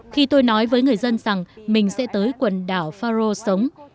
khi tôi nói với người dân rằng mình sẽ tới quần đảo faro sống